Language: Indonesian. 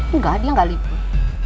engga dia ga libur